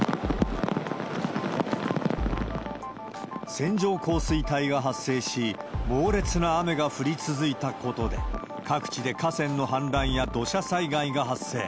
線状降水帯が発生し、猛烈な雨が降り続いたことで、各地で河川の氾濫や土砂災害が発生。